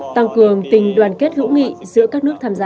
tăng cường tình đoàn kết hữu nghị giữa các nước tham gia